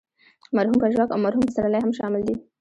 مرحوم پژواک او مرحوم پسرلی هم شامل دي.